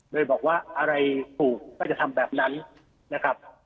โดยบอกว่าอะไรถูกก็จะทำแบบนั้นนะครับ